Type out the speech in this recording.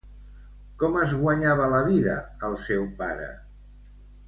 Com es guanyava la vida el seu pare?